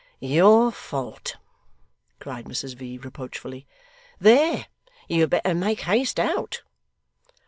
'Your fault!' cried Mrs V. reproachfully. 'There you had better make haste out.